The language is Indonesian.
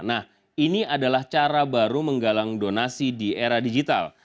nah ini adalah cara baru menggalang donasi di era digital